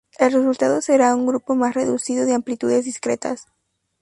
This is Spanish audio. El resultado será un grupo más reducido de amplitudes discretas.